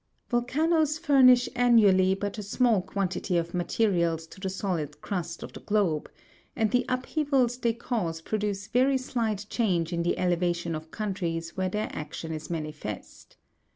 45. Volcanoes furnish annually but a small quantity of materials to the solid crust of the globe, and the upheavals they cause pro duce very slight change in the elevation of countries where their action is manifest.